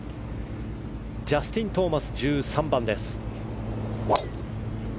ジャスティン・トーマス１３番。